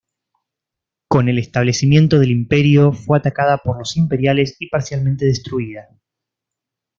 Con el establecimiento del Imperio fue atacada por los imperiales y parcialmente destruida.